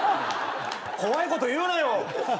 怖いこと言うなよ！